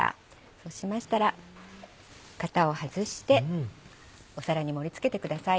そうしましたら型を外して皿に盛り付けてください。